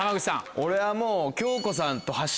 俺はもう。